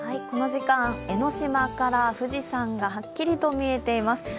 この時間、江の島から富士山がはっきりと見えています。